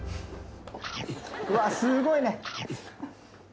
うわすごいね。